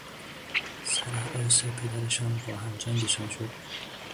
سر ارث پدرشان با هم جنگشان شد.